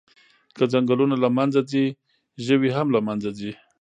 که ځنګلونه له منځه ځي، ژوي هم له منځه ځي.